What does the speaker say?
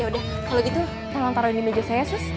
ya udah kalo gitu tolong taruh di meja saya sus